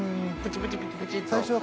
プチプチっと。